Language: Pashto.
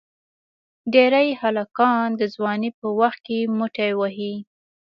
ډېری هلکان د ځوانی په وخت کې موټی وهي.